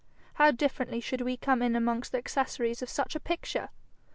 how differently should we come in amongst the accessories of such a picture!